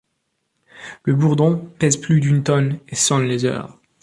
Le bourdon pèse plus d’une tonne et sonne les heures.